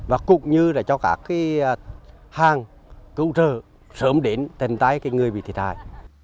và cũng như là cho cả cái hàng cứu trợ sớm đến tên tái cái người bị thiệt hại